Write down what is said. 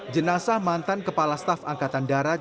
jenazah mantan kepala staf angkatan darat